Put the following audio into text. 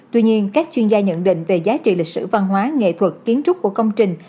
tuy nhiên các chuyên gia nhận định về giá trị lịch sử văn hóa nghệ thuật kiến trúc của công trình